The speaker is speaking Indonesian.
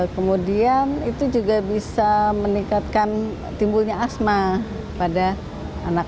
kemudian itu juga bisa meningkatkan timbulnya asma pada anak